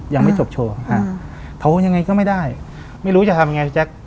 ยังไม่จบโชว์โทรยังไงก็ไม่ได้ไม่รู้จะทำยังไงพี่แจ๊ค